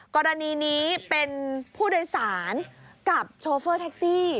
กรณีนี้เป็นผู้โดยสารกับโชเฟอร์แท็กซี่